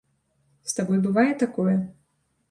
З табой бывае такое?